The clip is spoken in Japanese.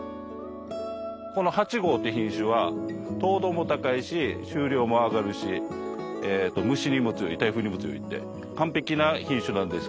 この８号っていう品種は糖度も高いし収量も上がるし虫にも強い台風にも強いんで完璧な品種なんですけど。